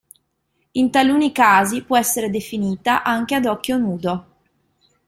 In taluni casi può essere definita anche ad occhio nudo.